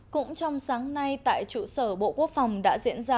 cũng trong sáng nay tại trụ sở bộ quốc phòng đã diễn ra